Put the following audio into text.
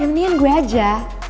ya mendingan gue aja